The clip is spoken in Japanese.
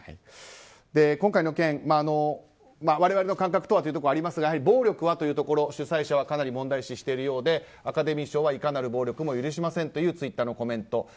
今回の件、我々の感覚とはというところがありますが暴力はというところ、主催者はかなり問題視しているようでアカデミー賞はいかなる暴力も許しませんというツイッターのコメント。